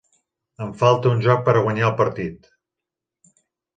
Em falta un joc per a guanyar el partit.